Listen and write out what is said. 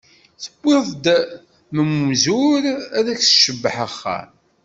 Tewwiḍ-d mm umzur, ad ak-tcebbeḥ axxam.